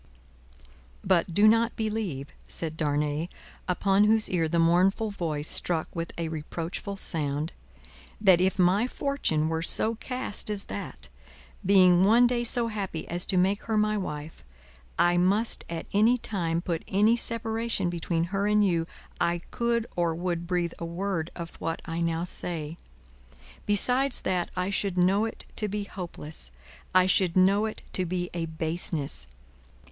"But, do not believe," said Darnay, upon whose ear the mournful voice struck with a reproachful sound, "that if my fortune were so cast as that, being one day so happy as to make her my wife, I must at any time put any separation between her and you, I could or would breathe a word of what I now say. Besides that I should know it to be hopeless, I should know it to be a baseness.